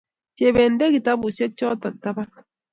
Chebet nde kitapusyek chotok tapan